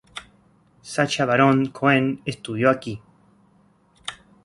Sacha Baron Cohen estudió aquí.